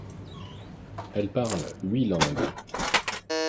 Elle parle huit langues.